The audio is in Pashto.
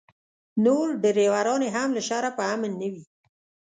نور ډریوران یې هم له شره په امن نه وي.